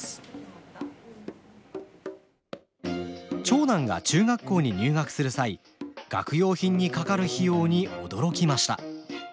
長男が中学校に入学する際学用品にかかる費用に驚きました。